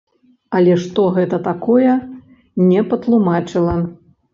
Але што гэта такое, не патлумачыла.